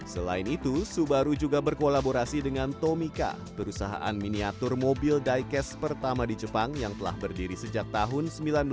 selain itu subaru juga berkolaborasi dengan tomika perusahaan miniatur mobil diecast pertama di jepang yang telah berdiri sejak tahun seribu sembilan ratus sembilan puluh